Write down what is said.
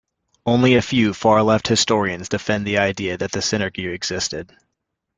Only a few far-left historians defend the idea that the synarchy existed.